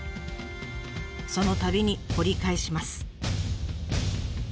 そのたびに掘り返します。